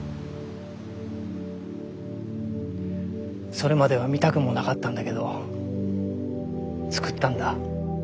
それまでは見たくもなかったんだけど作ったんだ。